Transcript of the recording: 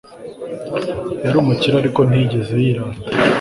yari umukire, ariko ntiyigeze yirata